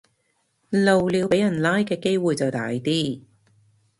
露鳥俾人拉嘅機會就大啲